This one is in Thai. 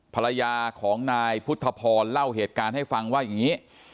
ภรรยาของนายพุทธพรเล่าเหตุการณ์ให้ฟังว่าอย่างนี้